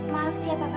maaf siapa pak